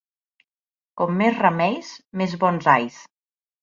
Com més remeis, més bons ais.